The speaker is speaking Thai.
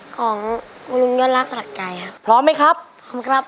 ของคุณลุงยอดรักสลักใจครับพร้อมไหมครับพร้อมครับ